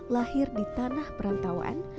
lahir di tanah perantauan